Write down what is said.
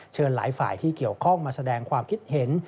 หลายฝ่ายที่เกี่ยวข้องมาแสดงความคิดเห็น